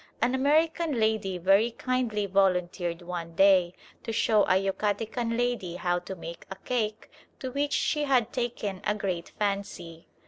An American lady very kindly volunteered one day to show a Yucatecan lady how to make a cake to which she had taken a great fancy.